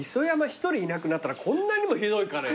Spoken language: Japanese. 一人いなくなったらこんなにもひどいかね。